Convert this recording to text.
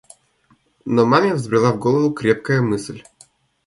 Но маме взбрела в голову крепкая мысль.